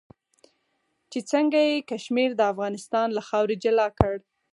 چې څنګه یې کشمیر د افغانستان له خاورې جلا کړ.